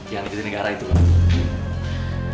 yang di negara itu pak